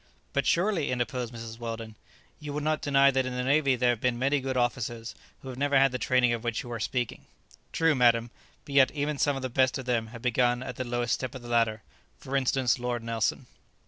"But surely," interposed Mrs. Weldon, "you would not deny that in the navy there have been many good officers who have never had the training of which you are speaking?" "True, madam; but yet even some of the best of them have begun at the lowest step of the ladder. For instance, Lord Nelson."